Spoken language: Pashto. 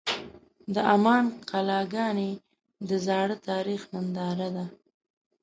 د عمان قلعهګانې د زاړه تاریخ ننداره ده.